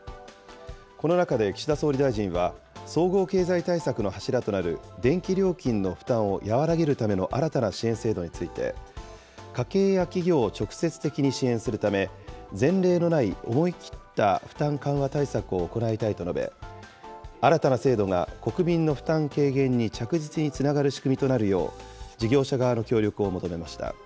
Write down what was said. この中で岸田総理大臣は、総合経済対策の柱となる電気料金の負担を和らげるための新たな支援制度について、家計や企業を直接的に支援するため、前例のない思い切った負担緩和対策を行いたいと述べ、新たな制度が国民の負担軽減に着実につながる仕組みとなるよう、事業者側の協力を求めました。